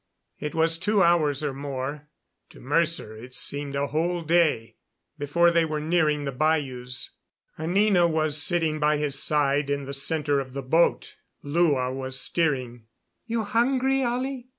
It was two hours or more to Mercer it seemed a whole day before they were nearing the bayous. Anina was sitting by his side in the center of the boat. Lua was steering. "You hungry, Ollie?"